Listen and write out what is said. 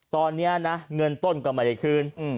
ตอนนี้นะเงินต้นก็ไม่ได้คืน